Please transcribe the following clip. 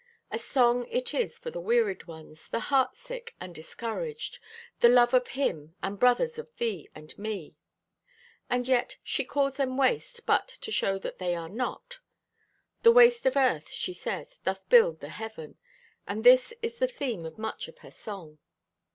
A song it is for the wearied ones, the heart sick and discouraged, "the loved of Him and brothers of thee and me." And yet she calls them waste but to show that they are not. "The waste of earth," she says, "doth build the Heaven," and this is the theme of much of her song.